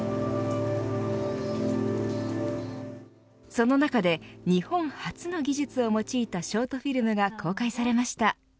その中で日本初の技術を用いたショートフィルムが公開されました。